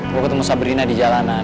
gue ketemu sabrina di jalanan